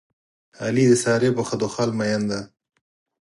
علي د سارې په خدو خال مین دی.